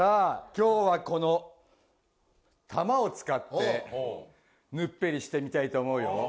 今日はこの球を使ってぬっぺりしてみたいと思うよ